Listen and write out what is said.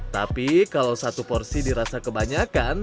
tapi kalau satu porsi dirasa kebanyakan